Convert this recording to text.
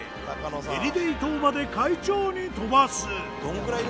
エリデイ島まで快調に飛ばす。